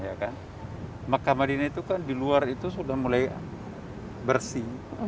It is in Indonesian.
mekah dan madinah itu kan di luar sudah mulai bersih